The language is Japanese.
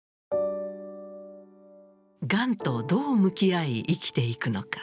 がんとどう向き合い生きていくのか。